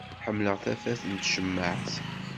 Ḥemmleɣ tafat n tcemmaεt.